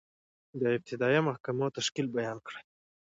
د ابتدائیه محاکمو تشکیل بیان کړئ؟